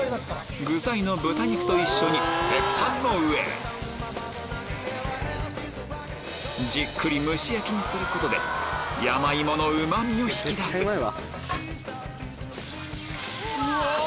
具材の豚肉と一緒に鉄板の上へじっくり蒸し焼きにすることで山芋のうま味を引き出すうわ！